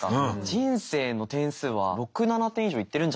人生の点数は６７点以上いってるんじゃないかなと。